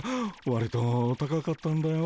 わりと高かったんだよ。